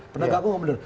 penegak hukum nggak benar